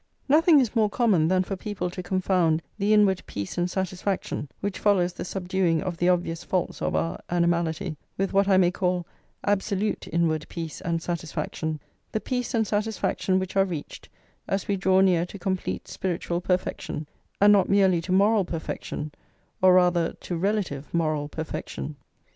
Nothing is more common than for people to confound the inward peace and satisfaction which follows the subduing of the obvious faults of our animality with what I may call absolute inward peace and satisfaction, the peace and satisfaction which are reached as we draw near to complete spiritual perfection, and not merely to moral perfection, or rather to relative moral perfection.